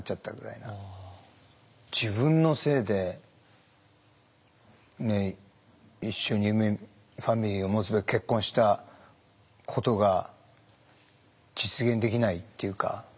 自分のせいで一緒にファミリーを持つべく結婚したことが実現できないっていうか。